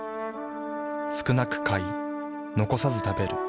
少なく買い残さず食べる。